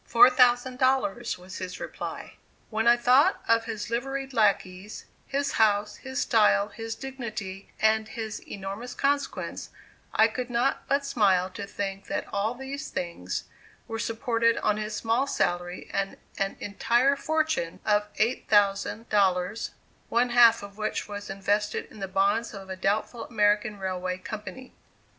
"Four thousand dollars," was the reply. When I thought of his liveried lackeys, his house, his style, his dignity, and his enormous consequence, I could not but smile to think that all these things were supported on his small salary and an "entire" fortune of $8,000, one half of which was invested in the bonds of a doubtful American railway company.